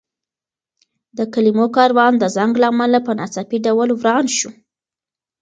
د کلمو کاروان د زنګ له امله په ناڅاپي ډول وران شو.